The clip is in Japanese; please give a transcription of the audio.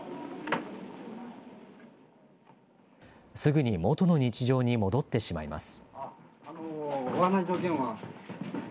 すぐに元の日常に戻ってしまいます。